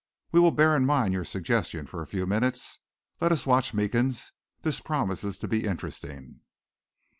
We will bear in mind your suggestion for a few minutes. Let us watch Meekins. This promises to be interesting."